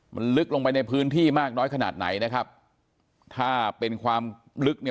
มันลึกลงไปในพื้นที่มากน้อยขนาดไหนนะครับถ้าเป็นความลึกเนี่ย